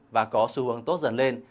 và có xu hướng tốt dần lên